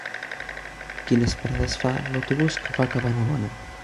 Quines parades fa l'autobús que va a Cabanabona?